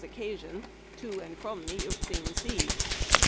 383 occasion, to and from the Euxine Sea.